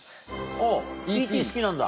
Ｅ．Ｔ．好きなんだ。